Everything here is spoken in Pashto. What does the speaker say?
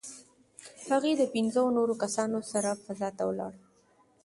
هغې له پنځو نورو کسانو سره فضا ته ولاړه.